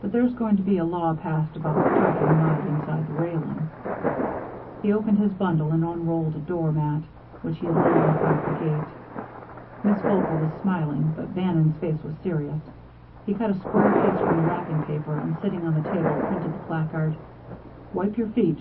But there's going to be a law passed about tracking mud inside the railing." He opened his bundle and unrolled a door mat, which he laid in front of the gate. Miss Vogel was smiling, but Bannon's face was serious. He cut a square piece from the wrapping paper, and sitting on the table, printed the placard: "Wipe your feet!